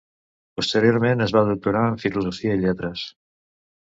Posteriorment, es va doctorar en Filosofia i Lletres.